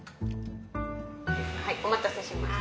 はいお待たせしました。